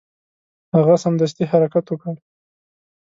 هغه سمدستي حرکت وکړ.